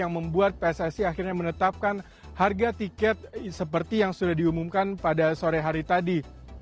yang membuat pssi akhirnya menetapkan harga tiket seperti yang sudah diumumkan pada sore hari tadi